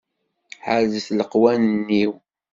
Ḥerzet leqwanen-iw.